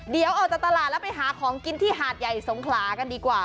เดี๋ยวออกจากตลาดแล้วไปหาของกินที่หาดใหญ่สงขลากันดีกว่า